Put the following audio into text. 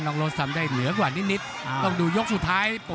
โรสทำได้เหนือกว่านิดต้องดูยกสุดท้าย